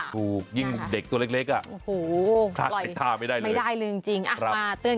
ถูกแล้วที่สำคัญต้องแบบนั่งเฝ้าเลยนะ